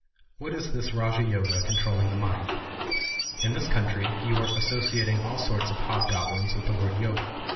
What is this Raja Yoga, controlling the mind ? In this country you are associating all sorts of hobgoblins with the word Yoga.